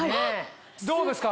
どうですか？